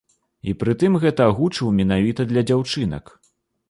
І прытым гэта агучыў менавіта для дзяўчынак.